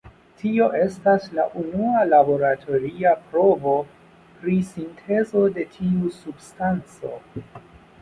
Tio estis la unua laboratoria provo pri sintezo de tiu substanco.